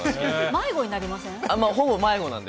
迷子になりません？